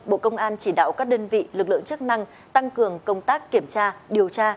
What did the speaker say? bộ công an chỉ đạo các đơn vị lực lượng chức năng tăng cường công tác kiểm tra điều tra